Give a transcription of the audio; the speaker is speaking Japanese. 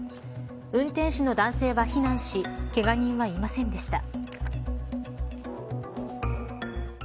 運転手の男性は避難しけが人は、いませんでした。